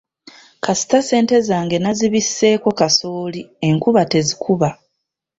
Kasita ssente zange nazibiseeko kasooli, enkuba tezikuba.